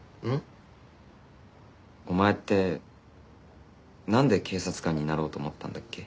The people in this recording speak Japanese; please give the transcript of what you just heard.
お前ってなんで警察官になろうと思ったんだっけ？